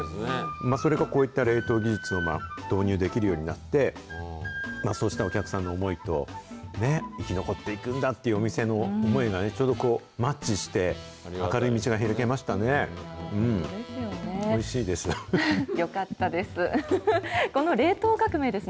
それがこういった冷凍技術を導入できるようになって、そうしたお客さんの思いと、生き残っていくんだというお店の思いがちょうどマッチして、明るい道が開けまし本当ですよね。